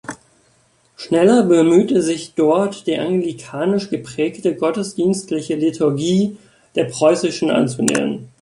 Schneller bemühte sich dort, die anglikanisch geprägte gottesdienstliche Liturgie der preußischen anzunähern.